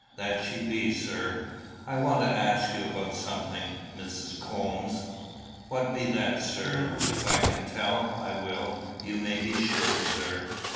"That she be, sir." "I want to ask you about something, Mrs. Coombes." "What be that, sir? If I can tell, I will, you may be sure, sir."